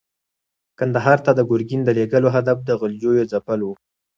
کندهار ته د ګورګین د لېږلو هدف د غلجیو ځپل ول.